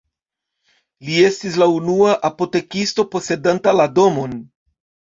Li estis la unua apotekisto posedanta la domon.